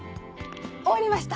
終わりました！